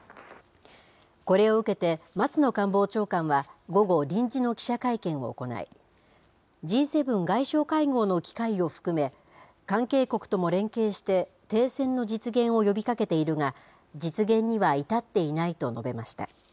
これを受けて、松野官房長官は午後、臨時の記者会見を行い、Ｇ７外相会合の機会を含め、関係国とも連携して、停戦の実現を呼びかけているが、実現には至っていないと述べました。